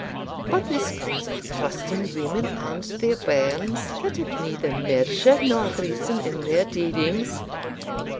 But this comes o' trusting women and their bairns, that have neither measure nor reason in their dealings.